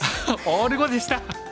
オール５でした！